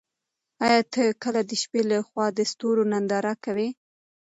ایا ته کله د شپې له خوا د ستورو ننداره کوې؟